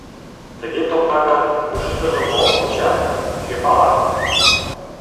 Тыге топка гын, ушыштыжо мом куча — кӧ пала?